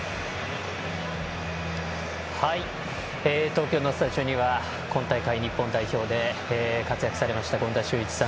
東京のスタジオには今大会、日本代表で活躍された権田修一さん。